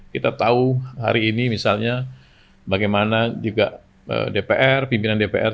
kita tahu hari ini misalnya bagaimana juga dpr pimpinan dpr